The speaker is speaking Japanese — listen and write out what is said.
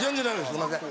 すみません。